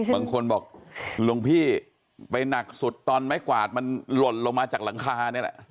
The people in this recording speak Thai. บางคนบอกหลวงพี่ไปหนักสุดตอนไม้กวาดมันหล่นลงมาจากหลังคานี่แหละ